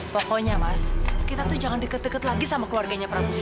pokoknya mas kita tuh jangan deket deket lagi sama keluarganya prabu